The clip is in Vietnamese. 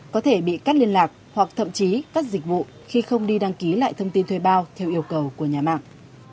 có thể bị cắt liên lạc hoặc thậm chí cắt dịch vụ khi không đi đăng ký lại thông tin thuê bao theo yêu cầu của nhà mạng